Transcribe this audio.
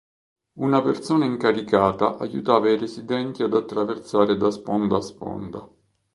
Una persona incaricata aiutava i residenti ad attraversare da sponda a sponda.